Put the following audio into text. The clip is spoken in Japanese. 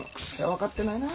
分かってないな。